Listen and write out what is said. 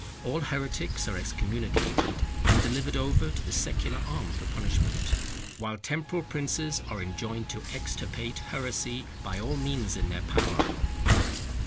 All heretics are excommunicated, and delivered over to the secular arm for punishment; while temporal princes are enjoined to extirpate heresy by all means in their power.